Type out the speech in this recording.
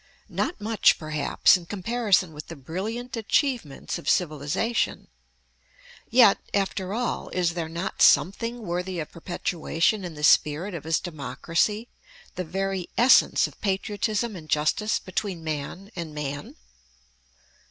Not much, perhaps, in comparison with the brilliant achievements of civilization; yet, after all, is there not something worthy of perpetuation in the spirit of his democracy the very essence of patriotism and justice between man and man?